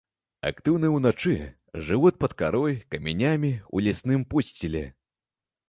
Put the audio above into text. Актыўныя ўначы, жывуць пад карой, камянямі, у лясным подсціле.